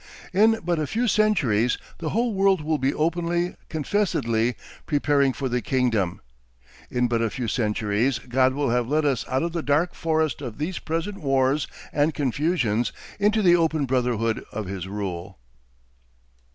In but a few centuries the whole world will be openly, confessedly, preparing for the kingdom. In but a few centuries God will have led us out of the dark forest of these present wars and confusions into the open brotherhood of his rule.